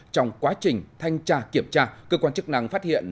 trong quá trình thanh tra kiểm tra cơ quan chức năng phát hiện